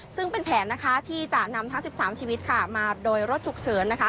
ซึ่งเป็นแผนที่จะนำทั้ง๑๓ชีวิตมาโดยรถฉุกเฉิน